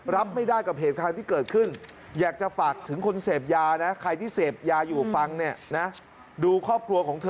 รับไม่ได้กับ